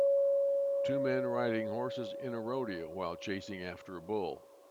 Two men riding horses in a rodeo while chasing after a bull.